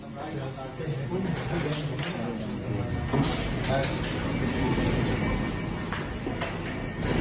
ดูคลิปนี้พร้อมกันค่ะ